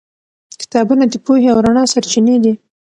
کتابونه د پوهې او رڼا سرچینې دي.